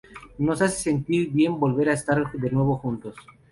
Nos hace sentir bien volver a estar de nuevo juntos".